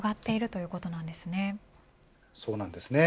そうなんですね。